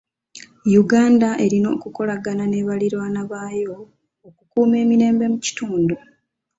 Uganda erina okukolagana ne baliraanwa baayo okukuuma emirembe mu kitundu.